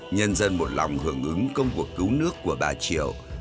nhân dân một lòng hưởng ứng công cuộc cứu nước của bà triệu